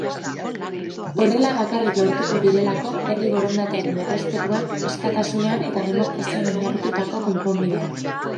Horrela bakarrik lortuko direlako herri borondatearen errespetuan, askatasunean eta demokrazian oinarritutako konponbideak.